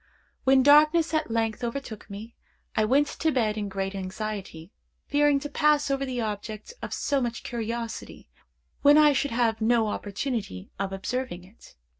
When darkness at length overtook me, I went to bed in great anxiety, fearing to pass over the object of so much curiosity when I should have no opportunity of observing it.